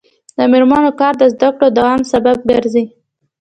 د میرمنو کار د زدکړو دوام سبب ګرځي.